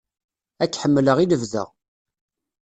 Ad k-ḥemmleɣ i lebda!